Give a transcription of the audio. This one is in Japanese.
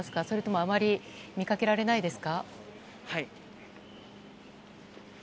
それともあまり見かけられないですか？